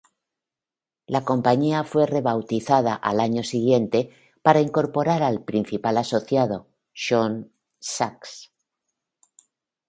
La compañía fue rebautizada al año siguiente para incorporar al principal asociado Shawn Sachs.